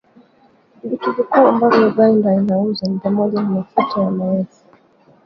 Vitu vikuu ambavyo Uganda inauza ni pamoja na mafuta ya mawese